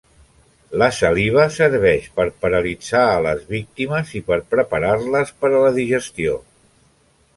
La saliva serveix per paralitzar a les víctimes i per preparar-les per a la digestió.